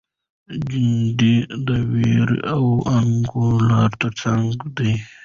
جنډې د ویر او انګولاوو تر څنګ دي.